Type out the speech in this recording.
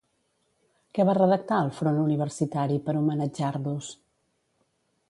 Què va redactar el Front Universitari per homenatjar-los?